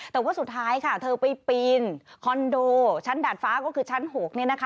แต่ว่าสุดท้ายค่ะเธอไปปีนคอนโดชั้นดาดฟ้าก็คือชั้น๖เนี่ยนะคะ